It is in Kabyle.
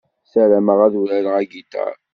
Sarameɣ ad urareɣ agiṭar.